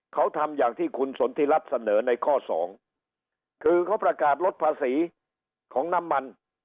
เขาทำอย่างที่คุณสนทิรัฐเสนอในข้อสองคือเขาประกาศลดภาษีของน้ำมัน